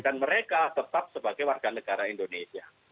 dan mereka tetap sebagai warga negara indonesia